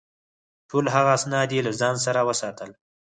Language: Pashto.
ټول هغه اسناد یې له ځان سره وساتل.